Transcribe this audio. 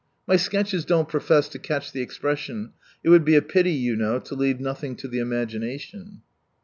(My sketches don't profess to catch the expres sion, it would be a pity you know to leave nothing to the imagination.)